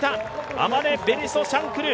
アマネ・ベリソ・シャンクル